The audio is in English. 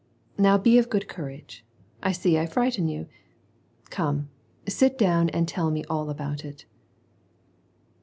* Now, be of good courage, I see I frighten you. Come, sit down and tell me all about it."